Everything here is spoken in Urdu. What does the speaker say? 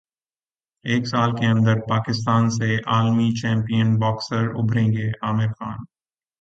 ایک سال کے اندر پاکستان سے عالمی چیمپئن باکسرز ابھریں گے عامر خان